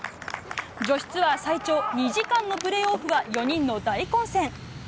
女子ツアー最長２時間のプレーオフは、４人の大混戦。